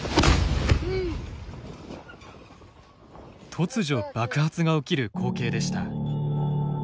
突如、爆発が起きる光景でした。